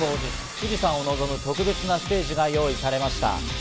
富士山を望む特別なステージが用意されました。